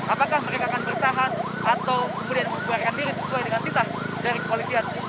apakah mereka akan bertahan atau kemudian membuarkan diri sesuai dengan titah dari kepolisian